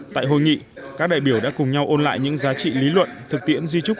tại hội nghị các đại biểu đã cùng nhau ôn lại những giá trị lý luận thực tiễn di trúc